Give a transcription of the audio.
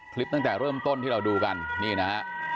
คลิปตั้งแต่เริ่มต้นที่เราดูกันนี่นะฮะ